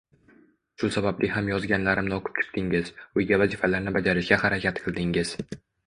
Shu sababli ham yozganlarimni o’qib chiqdingiz, uyga vazifalarni bajarishga harakat qildingiz